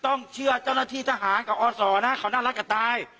ต้องเชื่อเจ้าหน้าที่ทหารกับอทสข้างนอกแล้วก็ตาย